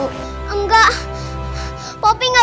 om jaka udah jahatin ibu